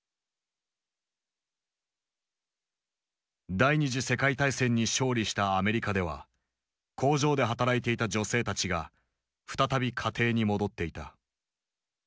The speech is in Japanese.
第二次世界大戦に勝利したアメリカでは工場で働いていた女性たちが再び家庭に戻っていた。